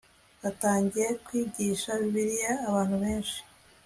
batangiye kwigisha bibiliya abantu benshi